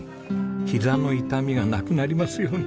「ひざの痛みがなくなりますように」